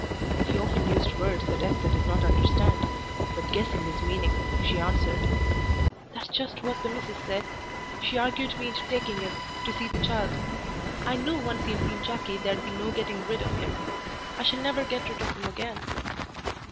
He often used words that Esther did not understand, but guessing his meaning, she answered "That's just what the missus said; she argued me into taking him to see the child. I knew once he'd seen Jackie there'd be no getting rid of him. I shall never get rid of him again."